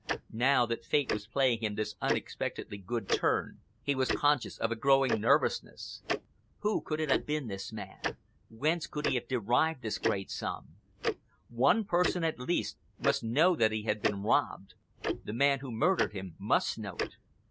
Now that Fate was playing him this unexpectedly good turn, he was conscious of a growing nervousness. Who could he have been, this man? Whence could he have derived this great sum? One person at least must know that he had been robbed—the man who murdered him must know it.